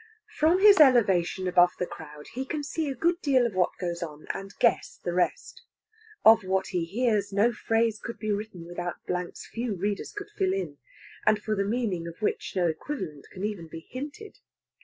From his elevation above the crowd he can see a good deal of what goes on, and guess the rest. Of what he hears, no phrase could be written without blanks few readers could fill in, and for the meaning of which no equivalent can even be hinted.